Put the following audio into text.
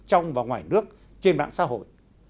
trong và ngoài nước trên mạng xã hội